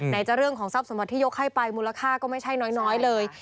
ในภาพสมบัติที่ยกให้ไปมูลค่าก็ไม่ใช่น้อยเลย